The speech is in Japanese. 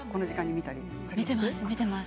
見ています。